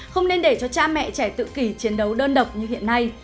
không nên để cho cha mẹ trẻ tự kỷ chiến đấu đơn độc như hiện nay